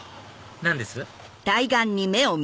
何です？